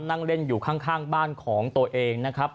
นั่งเล่นอยู่ข้างบ้านของตัวเองนะครับ